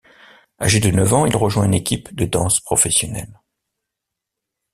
Âgé de neuf ans, il rejoint une équipe de danse professionnelle.